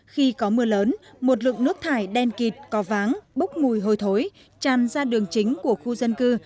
khi có mưa lớn một lượng nước thải đen kịt có váng bốc mùi hôi thối tràn ra đường chính của khu dân cư